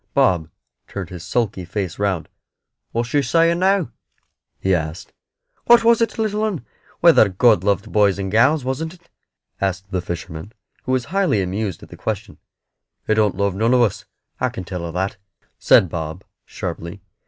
Bob turned his sulky face round. "What's she saying now?" he asked. "What was, it little 'un whether God loved boys and gals, wasn't it?" asked the fisherman, who was highly amused at the question. "He don't love none of us, I can tell her that," said Bob, sharply.